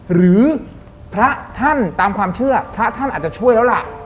หรือพระท่านตามความเชื่อพระท่านอาจจะช่วยแล้วล่ะ